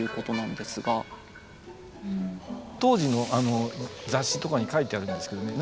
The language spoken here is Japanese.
当時の雑誌とかに書いてあるんですけどね。